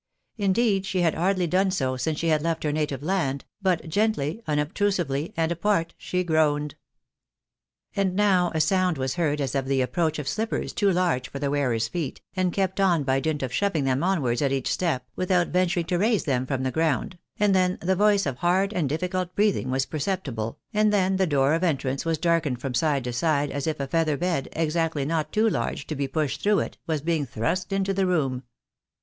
Indeed, she had hardly done so since she had left her native land, but gently, unobtrusively, and apart, she groaned. And now a sound was heard as of the approach of slippers too large for the wearer's feet, and kept on by dint of shoving them onwards at each step, without venturing to raise them from the ground, and then the voice of hard and difl&cult breathing was perceptible, and then the door of entrance was darkened from side to side, as if a feather bed, exactly not too large to be pushed through it, was being thrust into the room.